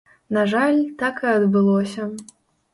На жаль, так і адбылося.